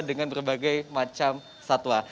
dengan berbagai macam satwa